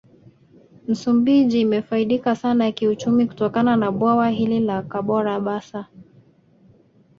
Msumbiji imefaidika sana kiuchumi kutokana na Bwawa hili la Kabora basa